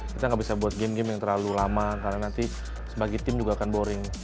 kita nggak bisa buat game game yang terlalu lama karena nanti sebagai tim juga akan boring